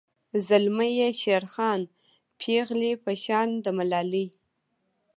زلمي یی شیرخان پیغلۍ په شان د ملالۍ